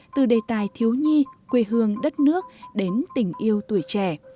từ đề tài thiếu nhi quê hương đất nước đến tình yêu tuổi trẻ